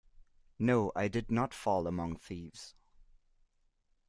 No, I did not fall among thieves.